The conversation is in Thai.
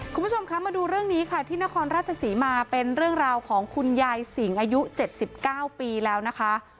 คุณผู้ชมคะมาดูเรื่องนี้ค่ะที่นครราชศรีมาเป็นเรื่องราวของคุณยายสิงอายุ๗๙ปีแล้วนะคะ